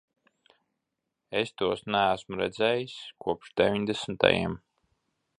Es tos neesmu redzējis kopš deviņdesmitajiem.